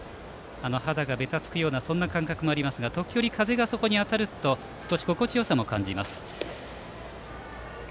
肌がべたつくような感覚もありますが時折、風がそこに当たると心地よさも感じます。